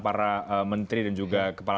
para menteri dan juga kepala